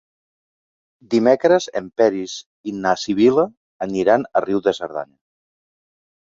Dimecres en Peris i na Sibil·la aniran a Riu de Cerdanya.